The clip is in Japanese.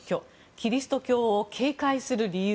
キリスト教を警戒する理由。